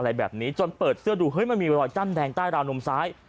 อะไรแบบนี้จนเปิดเสื้อดูเฮ้ยมันมีรอยจ้ำแดงใต้ราวนมซ้าย